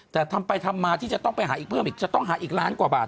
แต่ทำไปทำมาที่จะต้องไปหาอีกเพิ่มอีกจะต้องหาอีกล้านกว่าบาท